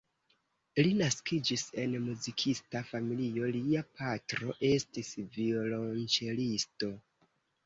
Li naskiĝis en muzikista familio, lia patro estis violonĉelisto.